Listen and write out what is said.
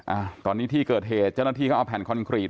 อ่าตอนนี้ที่เกิดเหตุเจ้าหน้าที่เขาเอาแผ่นคอนกรีต